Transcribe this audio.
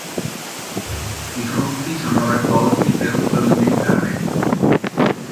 I frutti sono raccolti per uso alimentare.